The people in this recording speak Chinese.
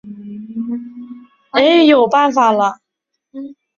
其他电视台播出时间详见周四剧场。